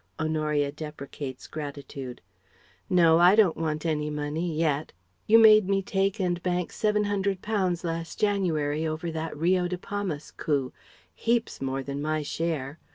(Honoria deprecates gratitude.) "No, I don't want money yet. You made me take and bank £700 last January over that Rio de Palmas coup heaps more than my share.